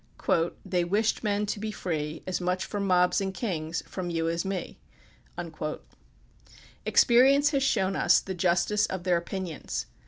" They wished men to be free, As much from mobs as kings, from you as me." Experience has shown us the justice of their opin ions.